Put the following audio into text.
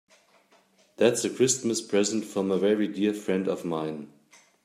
That's a Christmas present from a very dear friend of mine.